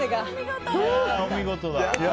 お見事だ。